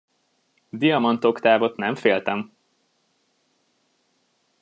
Diamant Oktávot nem féltem!